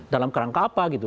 dalam kerangka apa gitu